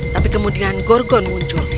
tapi kemudian gorgon muncul